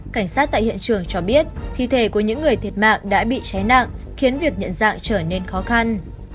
cảnh sát tại hiện trường cho biết thi thể của những người thiệt mạng đã bị cháy nặng khiến việc nhận dạng trở nên khó khăn